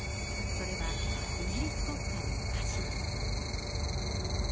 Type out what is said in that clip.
それは、イギリス国歌の歌詞です。